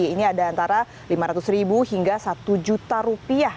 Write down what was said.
ini ada antara lima ratus ribu hingga satu juta rupiah